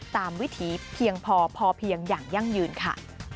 วิถีเพียงพอพอเพียงอย่างยั่งยืนค่ะ